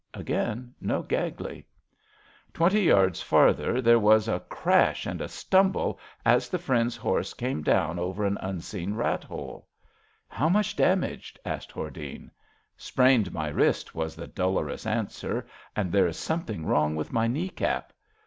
Again no Gagley. Twenty yards farther there was a crash and a stumble as the friend's horse came down over an unseen rat hole. How much damaged? " asked Hordene. Sprained my wrist," was the dolorous answer, and there is something wrong with my knee cap.